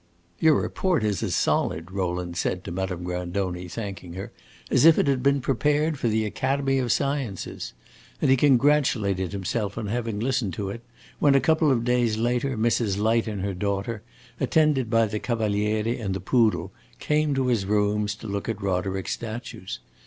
"Your report is as solid," Rowland said to Madame Grandoni, thanking her, "as if it had been prepared for the Academy of Sciences;" and he congratulated himself on having listened to it when, a couple of days later, Mrs. Light and her daughter, attended by the Cavaliere and the poodle, came to his rooms to look at Roderick's statues.